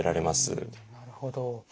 なるほど。